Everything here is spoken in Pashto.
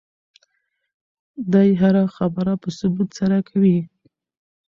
دی هره خبره په ثبوت سره کوي.